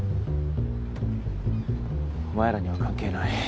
お前らには関係ない。